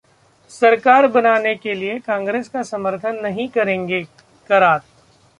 सरकार बनाने के लिए कांग्रेस का समर्थन नहीं करेंगे: करात